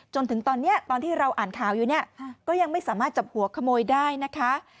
จนถึงตอนนี้ตอนที่เราอ่านข่าวอยู่เนี่ยก็ยังไม่สามารถจับหัวขโมยได้นะคะ